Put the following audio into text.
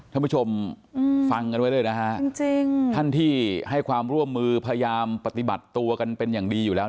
ท่านผู้ชมฟังกันไว้เลยนะฮะจริงท่านที่ให้ความร่วมมือพยายามปฏิบัติตัวกันเป็นอย่างดีอยู่แล้ว